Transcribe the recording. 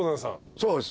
そうです。